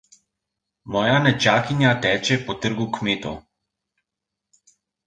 Moja nečakinja teče po trgu kmetov.